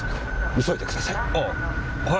急いでください！